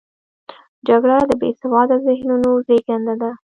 جګړه د بې سواده ذهنونو زیږنده ده